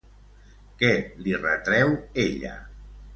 Què li retreu ella?